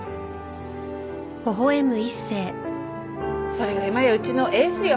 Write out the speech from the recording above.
それが今やうちのエースよ。